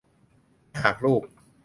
และหากลูก